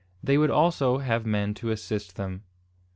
They would also have men to assist them.